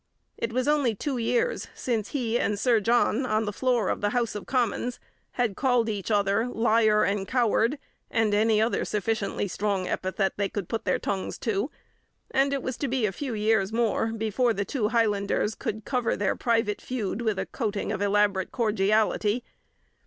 It was only two years since he and Sir John, on the floor of the House of Commons, had called each other 'liar' and 'coward' and any other sufficiently strong epithet they could put their tongues to, and it was to be a few years more before the two Highlanders could cover their private feud with a coating of elaborate cordiality.